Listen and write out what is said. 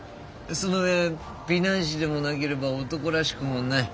その上美男子でもなければ男らしくもない。